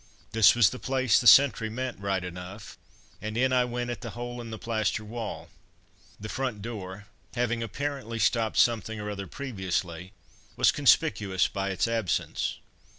This was the place the sentry meant right enough, and in I went at the hole in the plaster wall. The front door having apparently stopped something or other previously, was conspicuous by its absence.